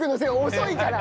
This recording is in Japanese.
遅いから。